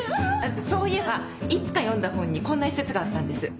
そういえばいつか読んだ本にこんな一節があったんです。